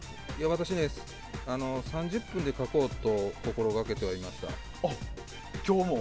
私、３０分で描こうと心がけていました。